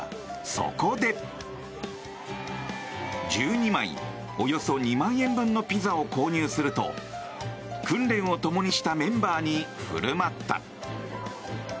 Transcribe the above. そこで１２枚、およそ２万円分のピザを購入すると訓練を共にしたメンバーに振る舞った。